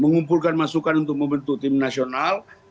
mengumpulkan masukan untuk membentuk tim nasional